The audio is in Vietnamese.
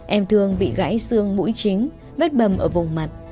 em thường bị gãy xương mũi chính vết bầm ở vùng mặt